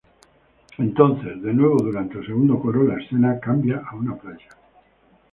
Entonces, de nuevo durante el segundo coro, la escena cambia a una playa.